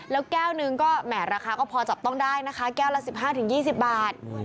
แล้วแก้วหนึ่งก็แห่ราคาก็พอจับต้องได้นะคะแก้วละ๑๕๒๐บาท